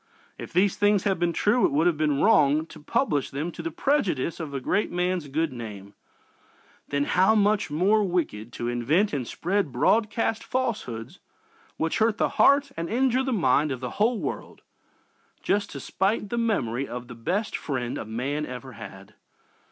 If these things had been true it would have been wrong to publish them to the prejudice of a great man's good name then how much more wicked to invent and spread broadcast falsehoods which hurt the heart and injure the mind of the whole world just to spite the memory of the best friend a man ever had!